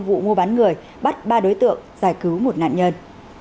vụ mua bán người bắt ba đối tượng giải cứu một nạn nhân